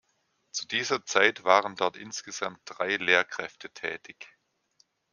Zu dieser Zeit waren dort insgesamt drei Lehrkräfte tätig.